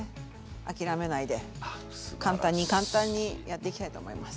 諦めないで簡単に簡単にやっていきたいと思います。